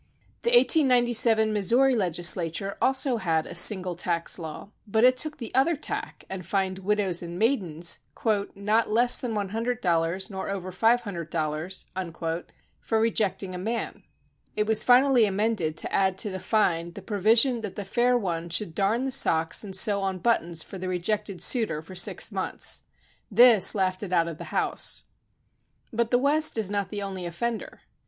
The 1897 Missouri legislature also had a "Single Tax Law," but it took the other tack and fined widows and maidens " not less than $100 nor over $500" for rejecting a man. It was finally amended to add to the fine the provision that the fair one should darn the socks and sew on but tons for the rejected suitor for six months. This laughed it out of the house. But the West is not the only offender.